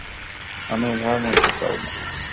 আমি এভাবে মরতে চাই না!